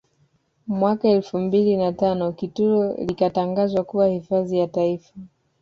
Mwaka elfu mbili na tano Kitulo likatangazwa kuwa hifadhi ya Taifa